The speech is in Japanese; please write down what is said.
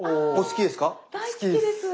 好きです。